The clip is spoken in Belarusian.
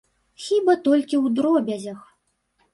Хіба толькі ў дробязях.